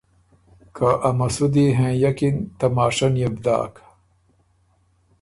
که ا مسُودی هېئکِن تماشۀ نيې بو داک